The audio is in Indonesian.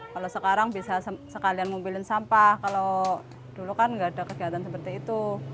kalau sekarang bisa sekalian ngumpulin sampah kalau dulu kan nggak ada kegiatan seperti itu